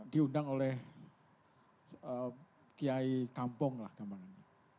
diundang oleh kiai kampong lah kemaren